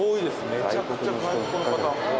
めちゃくちゃ外国の方。